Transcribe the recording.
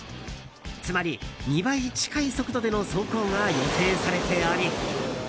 つまり２倍近い速度での走行が予定されており